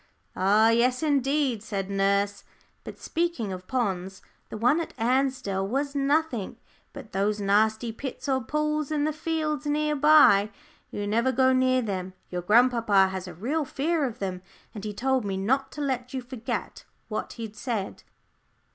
"Ah, yes, indeed," said nurse. "But speaking of ponds the one at Ansdell was nothing; but those nasty pits or pools in the fields near by: you never go near them? Your grandpapa has a real fear of them, and he told me not to let you forget what he'd said."